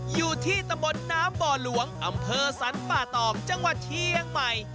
อยู่ที่ตำบลน้ำบ่อหลวงอำเภอสรรป่าตองจังหวัดเชียงใหม่